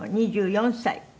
「２４歳